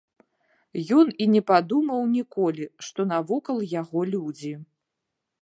Ён і не падумаў ніколі, што навакол яго людзі.